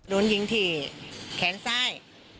โดนยิงที่แขนใส้